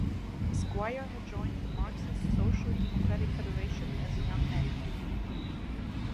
Squire had joined the Marxist Social Democratic Federation, as a young man.